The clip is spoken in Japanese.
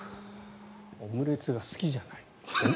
オムレツが好きじゃない。